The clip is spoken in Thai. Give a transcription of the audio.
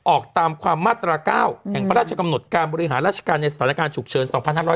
ออกตามความมาตรา๙แห่งพระราชกำหนดการบริหารราชการในสถานการณ์ฉุกเฉิน๒๕๖๐